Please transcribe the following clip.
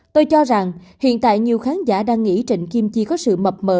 tôi cho rằng hiện tại nhiều khán giả đang nghĩ trịnh kim chi có sự mập mờ